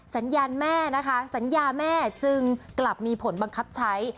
สัญญาณแม่นะคะสัญญาแม่จึงกลับมีผลบังคับใช้